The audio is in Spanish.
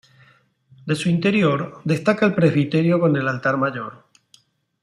De su interior destaca el presbiterio con el altar mayor.